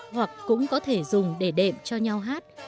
hoặc cũng có thể dùng để đệm cho nhau hát